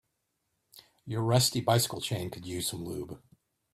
Your rusty bicycle chain could use some lube.